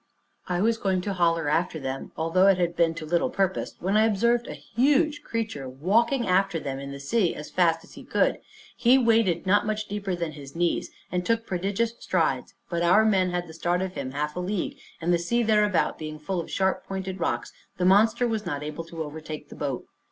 I was going to holla after them, although it had been to little purpose, when I observed a huge creature walking after them in the sea, as fast as he could: he waded not much deeper than his knees, and took prodigious strides: but our men had the start of him half a league, and the sea thereabout being full of sharp pointed rocks, the monster was not able to overtake the boat.